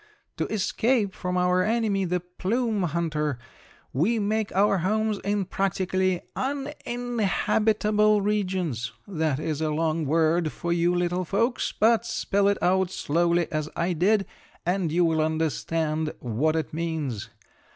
To escape from our enemy, the plume hunter, we make our homes in practically uninhabitable regions. That is a long word for you little folks, but spell it out slowly, as I did, and you will understand what it means.